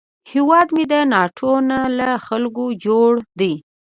هیواد مې د ناټو نه، له خلکو جوړ دی